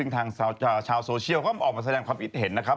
ทางชาวโซเชียลก็ออกมาแสดงความคิดเห็นนะครับ